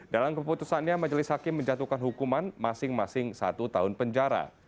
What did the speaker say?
dalam keputusannya majelis hakim menjatuhkan hukuman masing masing satu tahun penjara